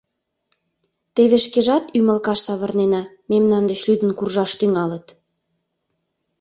— Теве шкежат ӱмылкаш савырнена, мемнан деч лӱдын куржаш тӱҥалыт.